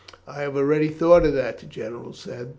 "I have already thought of that," the general said.